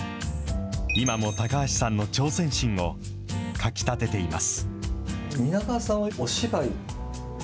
今も高橋さんの挑戦心をかき立てています。